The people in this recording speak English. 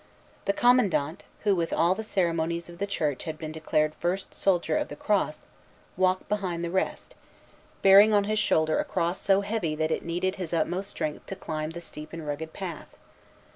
The commandant, who with all the ceremonies of the Church had been declared First Soldier of the Cross, walked behind the rest, bearing on his shoulder a cross so heavy that it needed his utmost strength to climb the steep and rugged path.